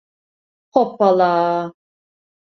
Hoppala.